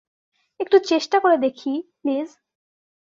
একটু চেষ্টা করে দেখি, প্লিজ।